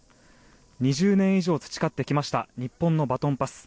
２０年以上培ってきました日本のバトンパス。